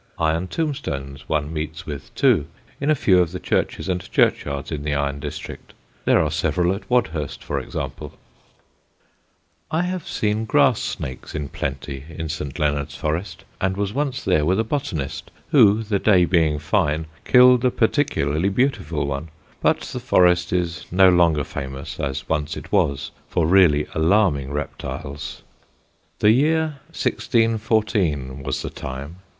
Iron tombstones one meets with too in a few of the churches and churchyards in the iron district. There are several at Wadhurst, for example. [Sidenote: THE "LAND SERPENT"] I have seen grass snakes in plenty in St. Leonard's Forest, and was once there with a botanist who, the day being fine, killed a particularly beautiful one; but the Forest is no longer famous, as once it was, for really alarming reptiles. The year 1614 was the time.